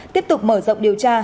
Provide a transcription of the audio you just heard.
tiếp tục mở rộng điều tra